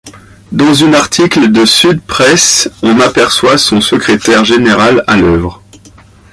Dans une article de Sud Presse, on aperçoit son Secrétaire Général à l'œuvre.